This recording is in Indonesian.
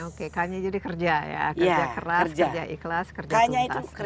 oke k nya jadi kerja ya